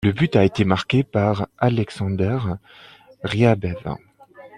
Le but a été marqué par Aleksandr Riabev.